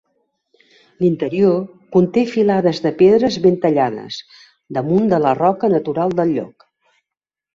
L'interior conté filades de pedres ben tallades, damunt de la roca natural del lloc.